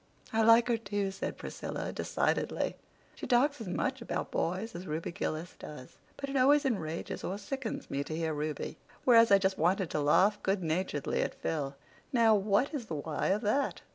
"I like her, too," said Priscilla, decidedly. "She talks as much about boys as Ruby Gillis does. But it always enrages or sickens me to hear Ruby, whereas I just wanted to laugh good naturedly at Phil. Now, what is the why of that?"